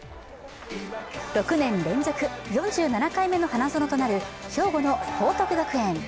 ６年連続４７回目の花園となる兵庫の報徳学園。